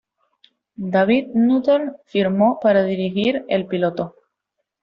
David Nutter firmó para dirigir el piloto.